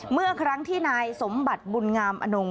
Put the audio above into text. เมื่อครั้งที่นายสมบัติบุญงามอนง